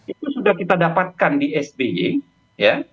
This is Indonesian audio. itu sudah kita dapatkan di sbi